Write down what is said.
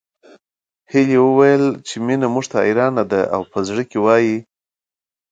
هيلې وويل چې مينه موږ ته حيرانه ده او په زړه کې وايي